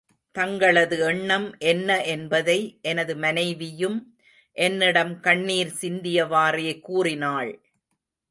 தங்களது எண்ணம் என்ன என்பதை எனது மனைவியும் என்னிடம் கண்ணீர் சிந்தியவாறே கூறினாள்.